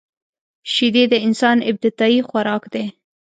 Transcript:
شیدې د انسان ابتدايي خوراک دی